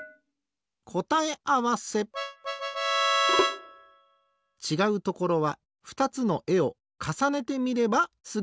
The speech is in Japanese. こたえあわせちがうところはふたつのえをかさねてみればすぐわかる。